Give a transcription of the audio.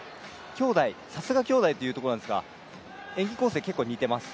さすが兄弟というところなんですが演技構成、結構似てます。